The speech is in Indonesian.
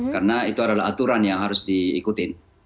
karena itu adalah aturan yang harus diikutin